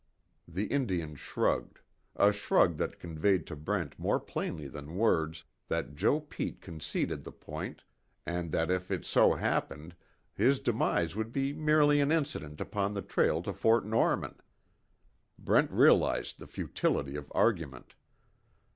The Indian shrugged a shrug that conveyed to Brent more plainly than words that Joe Pete conceded the point, and that if it so happened, his demise would be merely an incident upon the trail to Fort Norman. Brent realized the futility of argument.